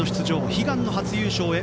悲願の初優勝へ